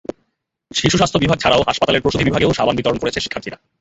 শিশু স্বাস্থ্য বিভাগ ছাড়াও হাসপাতালের প্রসূতি বিভাগেও সাবান বিতরণ করেছে শিক্ষার্থীরা।